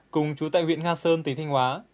cùng chú tại huyện nga sơn tỉnh thanh hóa